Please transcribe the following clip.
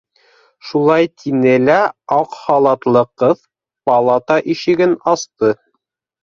- Шулай тине лә аҡ халатлы ҡыҙ палата ишеген асты.